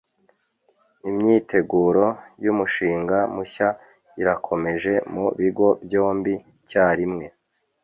Imyiteguro yumushinga mushya irakomeje mu bigo byombi icyarimwe